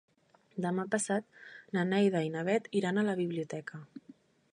Demà passat na Neida i na Bet iran a la biblioteca.